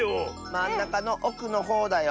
⁉まんなかのおくのほうだよ。